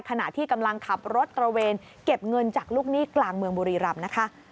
ขณะที่กำลังขับรถตระเวนเก็บเงินจากลูกหนี้กลางเมืองบุรีรำนะคะ